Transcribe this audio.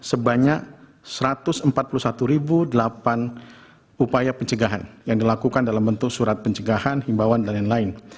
sebanyak satu ratus empat puluh satu delapan upaya pencegahan yang dilakukan dalam bentuk surat pencegahan himbawan dan lain lain